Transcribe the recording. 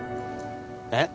えっ？